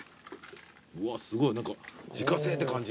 うわっすごい何か自家製って感じ。